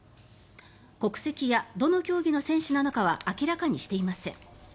国籍やどの競技の選手なのかは明らかにしていません。